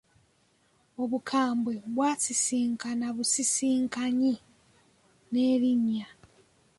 Obukambwe bwasisinkana busisinkanyi n'erinnya.